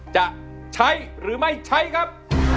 จะใช้หรือไม่ใช้ครับ